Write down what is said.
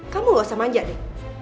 kamu gak usah manja deh